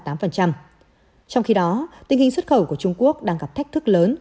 trong khi đó tình hình xuất khẩu của trung quốc đang gặp thách thức lớn